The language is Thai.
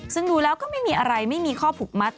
ซึ่งดูแล้วก็ไม่มีอะไรไม่มีข้อผูกมัด